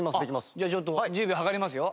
じゃあちょっと１０秒計りますよ。